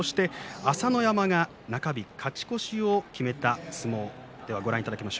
朝乃山が中日勝ち越しを決めた相撲です。